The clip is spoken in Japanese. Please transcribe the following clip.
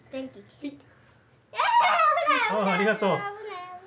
あっありがとう。